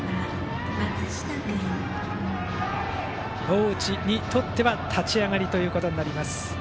大内にとっては立ち上がりとなります。